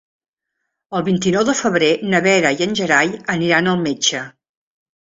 El vint-i-nou de febrer na Vera i en Gerai aniran al metge.